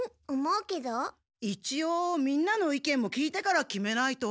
いちおうみんなの意見も聞いてから決めないと。